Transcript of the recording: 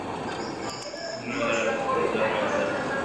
আমি আর আপনাদের ধন্যবাদ দেব না।